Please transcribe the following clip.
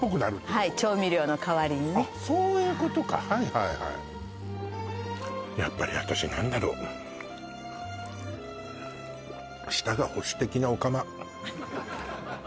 はい調味料の代わりにねあっそういうことかはいはいやっぱり私何だろう舌が保守的なオカマ